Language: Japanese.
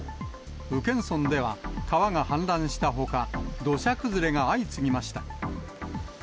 宇検村では、川が氾濫したほか、土砂崩れが相次ぎました。